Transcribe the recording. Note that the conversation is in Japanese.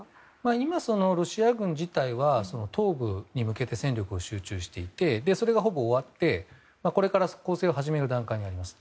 今ロシア軍自体は東部に向けて戦力を集中していてそれがほぼ終わってこれから攻勢を始める段階にあります。